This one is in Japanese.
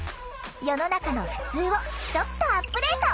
世の中のふつうをちょっとアップデート。